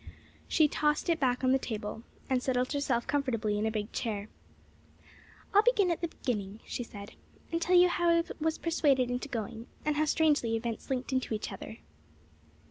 She tossed it back on the table, and settled herself comfortably in a big chair. "I'll begin at the beginning," she said, "and tell you how I was persuaded into going, and how strangely events linked into each other."